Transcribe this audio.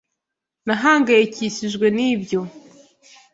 Nahangayikishijwe nibyo.